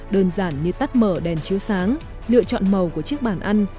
đơn giản như tắt mở đèn chiếu sáng lựa chọn màu của chiếc bàn ăn